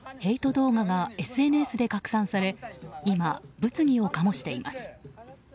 動画がＳＮＳで拡散され今、物議を醸しています。